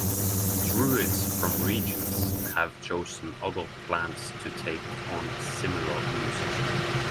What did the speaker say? Druids from regions have chosen other plants to take on similar uses.